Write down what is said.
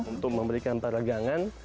untuk memberikan pelegangan